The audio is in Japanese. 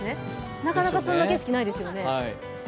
なかなかそんな景色ないですよね。